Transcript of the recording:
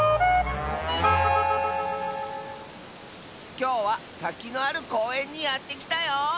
きょうはたきのあるこうえんにやってきたよ！